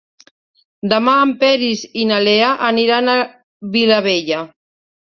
Demà en Peris i na Lea aniran a Vilabella.